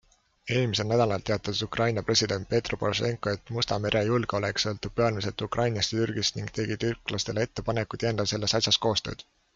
Eelmisel nädalal teatas Ukraina president Petro Porošenko, et Musta mere julgeolek sõltub peamiselt Ukrainast ja Türgist ning tegi türklastele ettepaneku tihendada selles asjas koostööd.